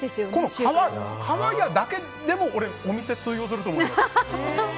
皮だけでもお店通用すると思う。